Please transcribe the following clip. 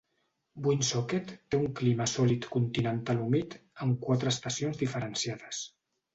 Woonsocket té un clima sòlid continental humit, amb quatre estacions diferenciades.